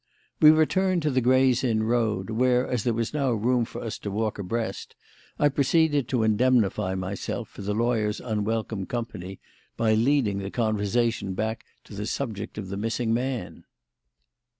We returned to the Gray's Inn Road, where, as there was now room for us to walk abreast, I proceeded to indemnify myself for the lawyer's unwelcome company by leading the conversation back to the subject of the missing man.